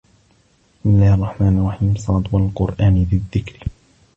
بِسمِ اللَّهِ الرَّحمنِ الرَّحيمِ ص وَالقُرآنِ ذِي الذِّكرِ